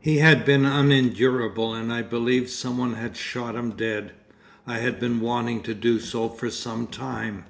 'He had been unendurable, and I believe some one had shot him dead. I had been wanting to do so for some time....